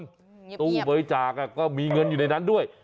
ตู้บริจาคก็มีเงินอยู่ในนั้นด้วย